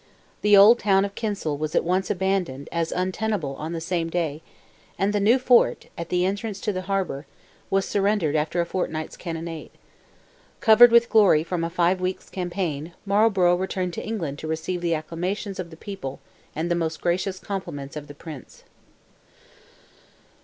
The old town of Kinsale was at once abandoned as untenable the same day, and the new fort, at the entrance to the harbour, was surrendered after a fortnight's cannonade. Covered with glory from a five weeks' campaign, Marlborough returned to England to receive the acclamations of the people and the most gracious compliments of the prince.